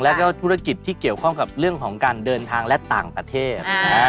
แล้วก็ธุรกิจที่เกี่ยวข้องกับเรื่องของการเดินทางและต่างประเทศ